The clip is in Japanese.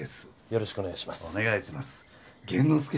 よろしくお願いします。